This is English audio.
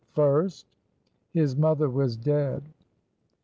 First: his mother was dead.